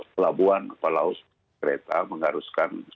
pelabuhan atau laus kereta mengharuskan